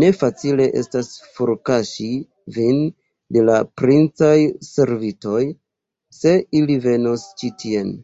Ne facile estas forkaŝi vin de la princaj servistoj, se ili venos ĉi tien!